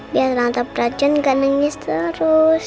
biar tante frozen gak nangis terus